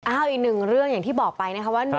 อ้าวอีกนึงเรื่องอย่างที่บอกไปนะครับว่า